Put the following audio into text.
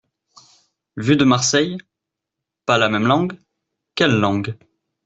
Vu de Marseille? Pas la même langue ? Quelle langue ?